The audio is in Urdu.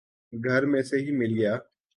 گھر میں سے ہی مل گیا